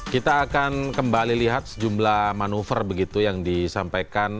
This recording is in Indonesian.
kita akan kembali lihat sejumlah manuver begitu yang disampaikan